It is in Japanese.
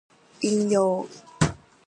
引用